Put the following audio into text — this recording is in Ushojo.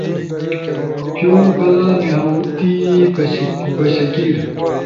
پیوبلا نہاؤتی، بشکیر